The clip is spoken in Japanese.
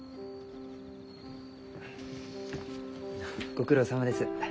ご苦労さまです。